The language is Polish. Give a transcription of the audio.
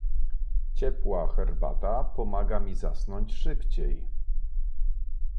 Ciepła herbata pomaga mi zasnąć szybciej.